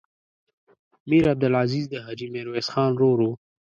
میر عبدالعزیز د حاجي میرویس خان ورور و.